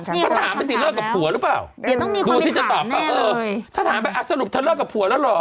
ก็ถามไปสิเลิกกับผัวหรือเปล่าดูสิจะตอบป่ะเออถ้าถามไปอ่ะสรุปเธอเลิกกับผัวแล้วเหรอ